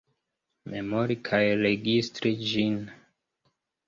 Memori kaj registri ĝin.